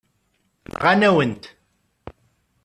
Nɣan-awen-tt.